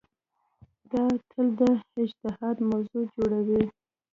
دا تل د اجتهاد موضوع جوړوي.